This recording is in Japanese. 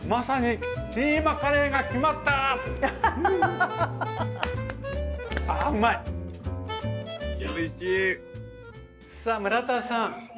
さあ村田さん